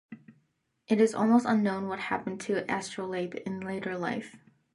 It is almost unknown what happened to Astrolabe in later life.